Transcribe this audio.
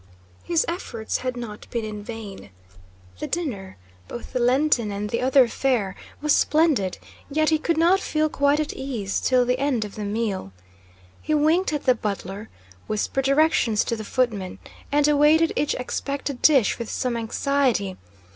His efforts had not been in vain. The dinner, both the Lenten and the other fare, was splendid, yet he could not feel quite at ease till the end of the meal. He winked at the butler, whispered directions to the footmen, and awaited each expected dish with some anxiety.